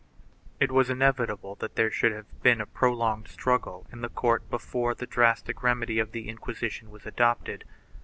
It was inevitable that there should have been a prolonged strug gle in the court before the drastic remedy of the Inquisition was adopted.